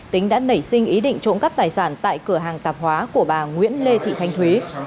tính đã nảy sinh ý định trộm cắp tài sản tại cửa hàng tạp hóa của bà nguyễn lê thị thanh thúy